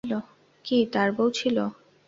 কী, তার বউ ছিল?